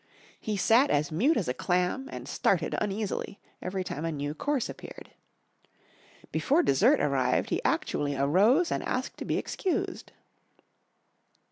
He sat as mute as a clam, and started uneasily every time a new course appeared. Before dessert arrived he actually arose and asked to be excused.